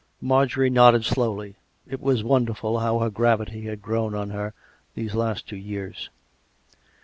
Marjorie nodded slowly. (It was wonderful how her gravity had grown on her these last two years.)